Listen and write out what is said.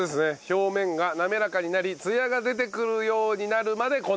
表面が滑らかになりツヤが出てくるようになるまでこねる。